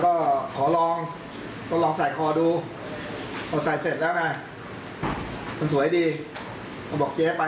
นึกยังไงว่าเอาวิ่งไปเอาซวยไปทำอะไร